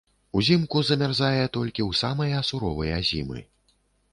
Узімку замярзае толькі ў самыя суровыя зімы.